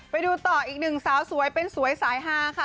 ไปดูต่ออีกหนึ่งสาวสวยเป็นสวยสายฮาค่ะ